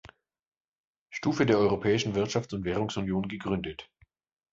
Stufe der Europäischen Wirtschafts- und Währungsunion gegründet.